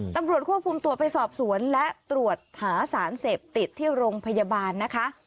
ตำรวจควบคุมตัวไปสอบสวนและตรวจหาสารเสพติดที่โรงพยาบาลนะคะ